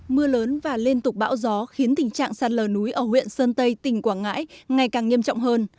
mưa lớn và liên tục bão gió khiến tình trạng sạt lở núi ở huyện sơn tây tỉnh quảng ngãi ngày càng nghiêm trọng hơn